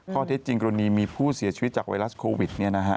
ข้อเท็จจริงกรณีมีผู้เสียชีวิตจากไวรัสโควิด